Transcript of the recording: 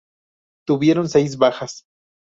Tuvieron seis bajas.